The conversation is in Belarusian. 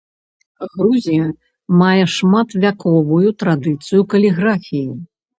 Грузія мае шматвяковую традыцыю каліграфіі.